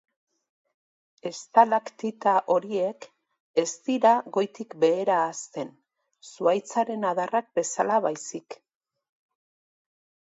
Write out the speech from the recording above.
Estalaktita horiek ez dira goitik behera hazten, zuhaitzaren adarrak bezala baizik.